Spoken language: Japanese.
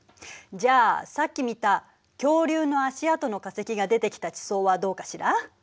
じゃあさっき見た恐竜の足跡の化石が出てきた地層はどうかしら？